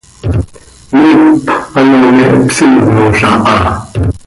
Miicp ano me hpsinol aha.